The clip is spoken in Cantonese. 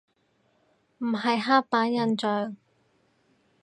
唔係刻板印象